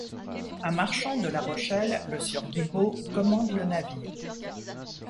Un marchand de La Rochelle, le Sieur Guibeau, commande le navire.